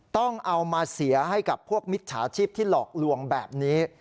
ต้องเอามาเสียให้กับพวกมิจฉาชีพที่หลอกลวงแบบนี้